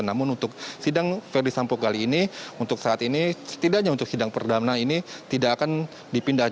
namun untuk sidang verdi sambo kali ini untuk saat ini setidaknya untuk sidang perdana ini tidak akan dipindahkan